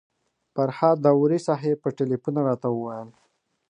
فرهاد داوري صاحب په تیلفون راته وویل.